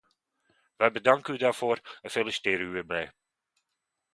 Wij bedanken u daarvoor en feliciteren u ermee.